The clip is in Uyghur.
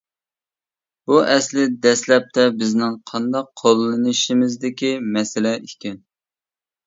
بۇ ئەسلى دەسلەپتە بىزنىڭ قانداق قوللىنىشىمىزدىكى مەسىلە ئىكەن.